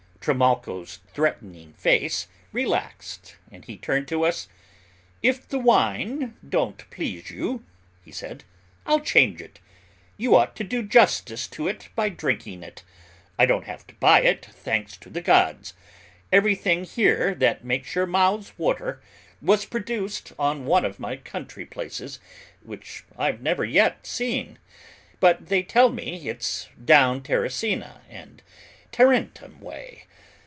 Trimalchio's threatening face relaxed and he turned to us, "If the wine don't please you," he said, "I'll change it; you ought to do justice to it by drinking it. I don't have to buy it, thanks to the gods. Everything here that makes your mouths water, was produced on one of my country places which I've never yet seen, but they tell me it's down Terracina and Tarentum way.